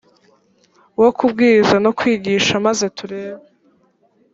wo kubwiriza no kwigisha mze turebe